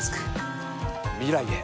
未来へ。